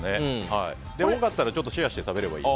多かったらシェアして食べればいい。